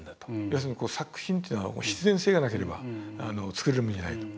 要するに作品というのは必然性がなければ作る意味がないと。